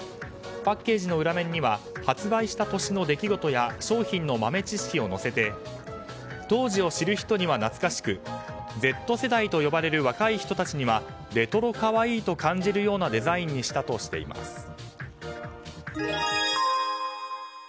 パッケージの裏面には発売した年の出来事や商品の豆知識を載せて当時を知る人には懐かしくＺ世代と呼ばれる若い人たちにはレトロ可愛いと感じるようなデザインにしたとしています。